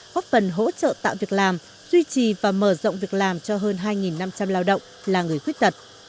góp phần hỗ trợ tạo việc làm duy trì và mở rộng việc làm cho hơn hai năm trăm linh lao động là người khuyết tật